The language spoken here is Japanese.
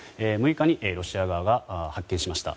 ６日にロシア側が発見しました。